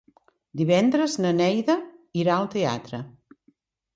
Divendres na Neida irà al teatre.